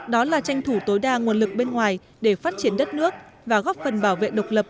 đó là tranh thủ tối đa nguồn lực bên ngoài để phát triển đất nước và góp phần bảo vệ độc lập